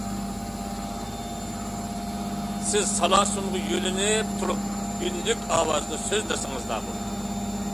سىز سالاسۇنغا يۆنىلىپ تۇرۇپ ئۈنلۈك ئاۋازدا سۆزلىسىڭىزلا بولدى.